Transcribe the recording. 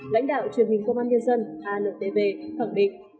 lãnh đạo truyền hình công an nhân dân antv khẳng định